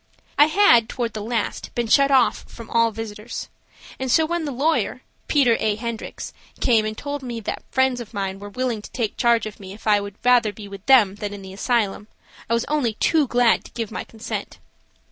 I had, toward the last, been shut off from all visitors, and so when the lawyer, Peter A. Hendricks, came and told me that friends of mine were willing to take charge of me if I would rather be with them than in the asylum, I was only too glad to give my consent.